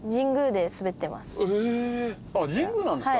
神宮なんですか。